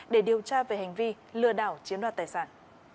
để điều tra về hành vi lừa đảo chiếm đoạt tài sản